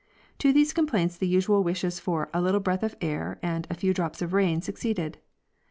To these complaints the usual wishes for ''a little breath of air" and ''a few drops of rain" succeeded.